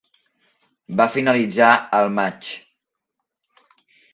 Va finalitzar al maig.